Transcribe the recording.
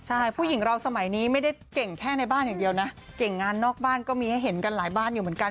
ใช่ผู้หญิงเราสมัยนี้ไม่ได้เก่งแค่ในบ้านอย่างเดียวนะเก่งงานนอกบ้านก็มีให้เห็นกันหลายบ้านอยู่เหมือนกัน